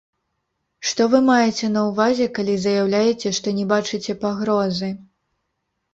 Што вы маеце на ўвазе, калі заяўляеце, што не бачыце пагрозы?